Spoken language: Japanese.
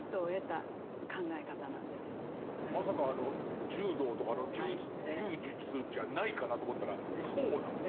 まさかあの柔道とかの柔術じゃないかなと思ったらそうなんですね。